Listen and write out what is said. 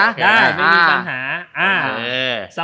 ได้ไม่มีปัญหา